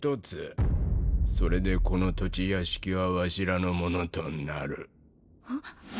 それでこの土地屋敷はわしらのものとなる。